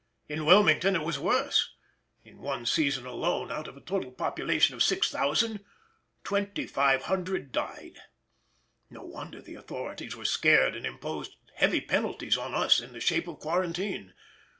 In Wilmington it was worse; in one season alone, out of a total population of 6000, 2500 died. No wonder the authorities were scared and imposed heavy penalties on us in the shape of quarantine.